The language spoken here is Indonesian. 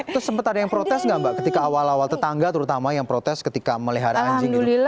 terus sempat ada yang protes nggak mbak ketika awal awal tetangga terutama yang protes ketika melihara anjing gitu